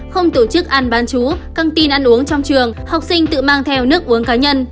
không tổ chức ăn bán chú căng tin ăn uống trong trường học sinh tự mang theo nước uống cá nhân